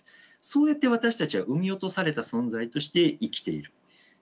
そうやって私たちは生み落とされた存在として生きている。